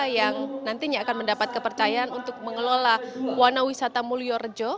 yang nantinya akan mendapat kepercayaan untuk mengelola warna wisata mulyorejo